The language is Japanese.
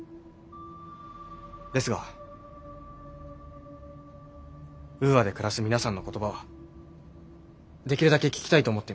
ですがウーアで暮らす皆さんの言葉はできるだけ聞きたいと思っています。